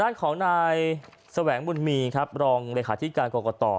ด้านของนายแสวงบุญมีครับรองเลขาธิการกรกต